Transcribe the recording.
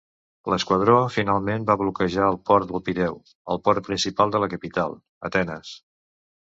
L'esquadró finalment va bloquejar el port del Pireu, el port principal de la capital, Atenes.